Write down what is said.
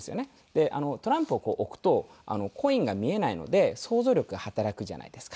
でトランプを置くとコインが見えないので想像力が働くじゃないですか。